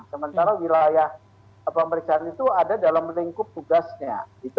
sementara wilayah pemeriksaan itu ada dalam lingkup tugasnya